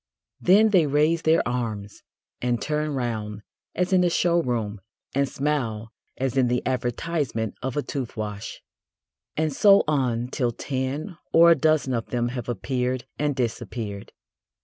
Then they raise their arms and turn round as in a showroom and smile as in the advertisement of a tooth wash. And so on till ten or a dozen of them have appeared and disappeared.